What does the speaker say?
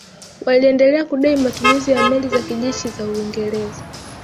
Waliendelea kudai matumizi ya meli za kijeshi za Uingereza